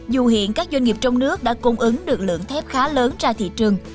dù hiện các doanh nghiệp trong nước đã cung ứng được lượng thép khá lớn ra thị trường